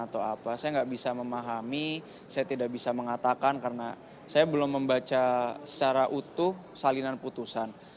saya nggak bisa memahami saya tidak bisa mengatakan karena saya belum membaca secara utuh salinan putusan